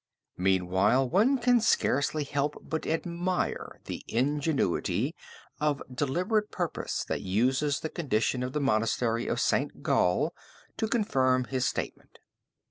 Meantime one can scarcely help but admire the ingenuity of deliberate purpose that uses the condition of the monastery of St. Gall to confirm his statement.